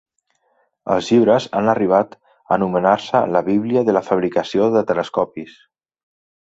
Els llibres han arribat a anomenar-se "la bíblia de la fabricació de telescopis".